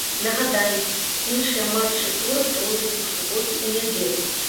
Нагадаем, іншыя матчы тура пройдуць у суботу і нядзелю.